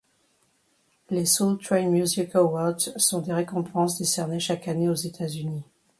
Les Soul Train Music Awards sont des récompenses décernées chaque année aux États-Unis.